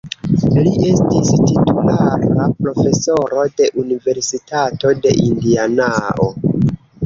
Li estis titulara profesoro de Universitato de Indianao.